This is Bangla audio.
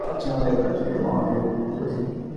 আমাদের পুস্তকে মহাসাম্যবাদ আছে, আমাদের কার্যে মহাভেদবুদ্ধি।